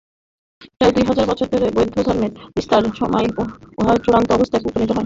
প্রায় দুই হাজার বছর পরে বৌদ্ধধর্মের বিস্তারের সময় ইহা চূড়ান্ত অবস্থায় উপনীত হয়।